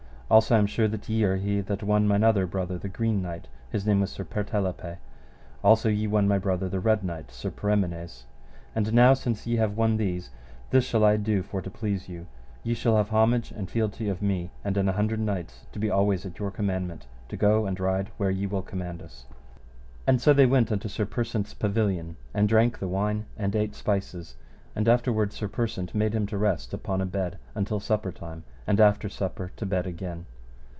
Also I am sure that ye are he that won mine other brother the Green Knight, his name was Sir Pertolepe. Also ye won my brother the Red Knight, Sir Perimones. And now since ye have won these, this shall I do for to please you: ye shall have homage and fealty of me, and an hundred knights to be always at your commandment, to go and ride where ye will command us. And so they went unto Sir Persant's pavilion and drank the wine, and ate spices, and afterward Sir Persant made him to rest upon a bed until supper time, and after supper to bed again.